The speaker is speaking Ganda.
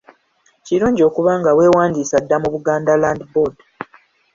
Kirungi okuba nga weewandiisa dda mu Buganda Land Board.